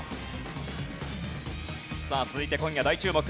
さあ続いて今夜大注目